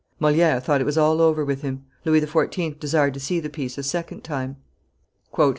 Moliere thought it was all over with him. Louis XIV. desired to see the piece a second time.